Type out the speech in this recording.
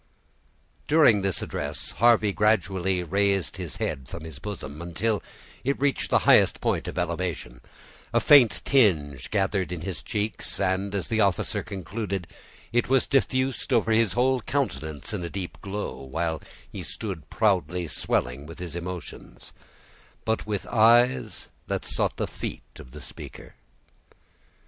During this address, Harvey gradually raised his head from his bosom, until it reached the highest point of elevation; a faint tinge gathered in his cheeks, and, as the officer concluded, it was diffused over his whole countenance in a deep glow, while he stood proudly swelling with his emotions, but with eyes that sought the feet of the speaker.